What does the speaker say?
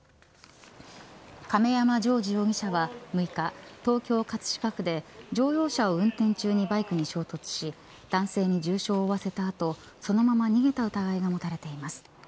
亀山譲治容疑者は６日東京葛飾区で乗用車を運転中にバイクに衝突し男性に重傷を負わせた後そのまま逃げた疑いが持たれています。